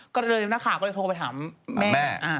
ก็เดินเรียบหน้าข่าวก็เลยโทรไปถามแม่